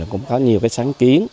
cũng có nhiều sáng kiến